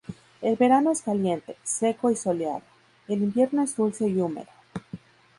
El verano es caliente, seco y soleado; el invierno es dulce y húmedo.